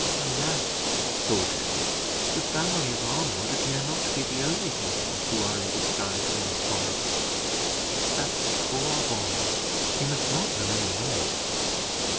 "Alas!" thought Edward, "the family of Arnwood appear not to be the only people who are in disguise in this forest. That poor boy! he must not remain there."